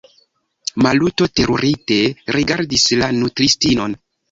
Maluto terurite rigardis la nutristinon.